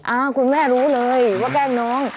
คุณแม่รู้เลยว่าแกล้งน้อง